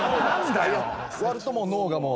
終わると脳がもう。